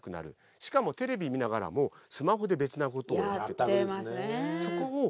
しかもテレビ見ながらもスマホで別なことをやってたりする。